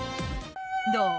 「どう？